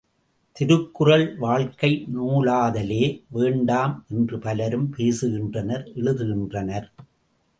திருக்குறள் வாழ்க்கை நூலாதலே வேண்டாம் என்று பலரும் பேசுகின்றனர் எழுதுகின்றனர்.